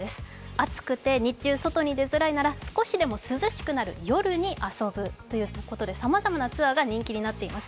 暑くて日中外に出づらいなら少しでも涼しくなる夜に遊ぶということでさまざまなツアーが人気になっています。